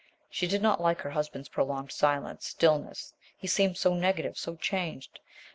She did not like her husband's prolonged silence, stillness. He seemed so negative so changed.